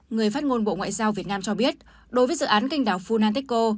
người phát ngôn bộ ngoại giao việt nam cho biết đối với dự án canh đào phunanteco